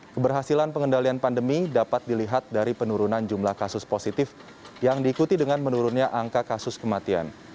keberhasilan pengendalian pandemi dapat dilihat dari penurunan jumlah kasus positif yang diikuti dengan menurunnya angka kasus kematian